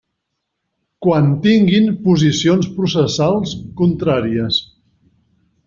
Quan tinguin posicions processals contràries.